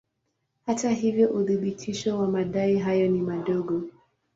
Hata hivyo uthibitisho wa madai hayo ni mdogo.